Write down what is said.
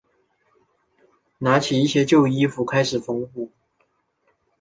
拿起一些旧衣开始缝补